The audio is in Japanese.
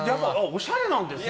おしゃれなんですね。